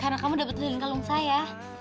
karena kamu udah betulin kalung saya